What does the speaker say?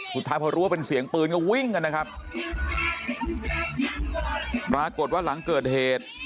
สุดท้ายพอรู้ว่าเป็นเสียงปืนก็วิ่งกันนะครับปรากฏว่าหลังเกิดเหตุ